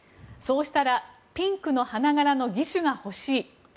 そうしたらピンクの花柄の義手が欲しい。